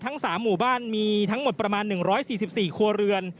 ๓หมู่บ้านมีทั้งหมดประมาณ๑๔๔ครัวเรือน